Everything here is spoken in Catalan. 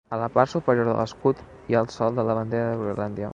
A la part superior de l'escut hi ha el sol de la bandera de Groenlàndia.